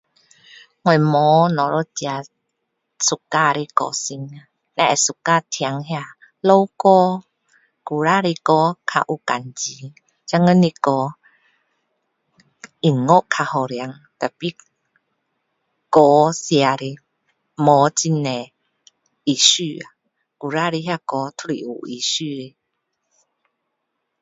我没有哪一个 suka 的歌星呀 suka 听那个老歌以前的歌比较有感情现在的歌音乐比较好听 tapi 歌写的没有很多意思呀以前的歌都是有意思的